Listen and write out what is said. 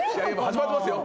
始まってますよ。